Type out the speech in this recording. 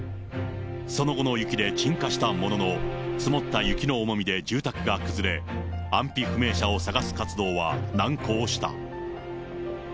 その後の雪で鎮火したものの、積もった雪の重みで住宅が崩れ、安否不明者を捜す活動は難航した。